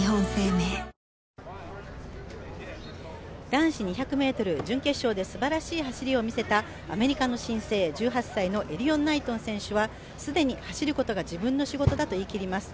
ＪＴ男子２００ｍ準決勝ですばらしい走りを見せたアメリカの新星、エリヨン・ナイトン選手は既に走ることが自分の仕事だと言い切ります。